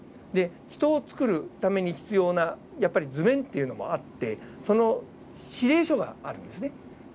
ヒトを作るために必要なやっぱり図面っていうのもあってその指令書があるんですね。